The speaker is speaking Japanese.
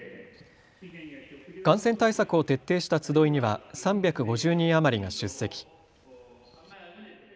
感染対策を徹底した集いには３５０人余りが出席。